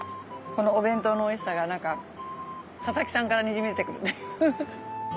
このお弁当のおいしさが佐々木さんからにじみ出てくるっていう。